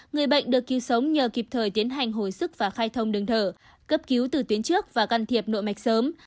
người bệnh được cứu sống nhờ kịp thời tiến hành hồi sức và khai thông đường thở cấp cứu từ tuyến trước và can thiệp nội mạch sớm